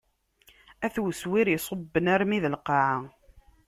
At weswir iṣubben armi d lqaɛa.